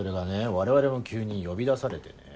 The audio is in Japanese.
我々も急に呼び出されてね。